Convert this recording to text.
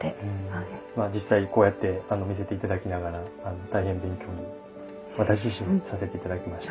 実際こうやって見せて頂きながら大変勉強に私自身もさせて頂きました。